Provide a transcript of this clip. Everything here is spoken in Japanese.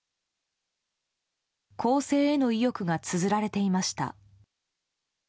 更生への意欲がつづられていました。